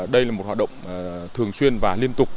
đây là một hoạt động thường xuyên và liên tục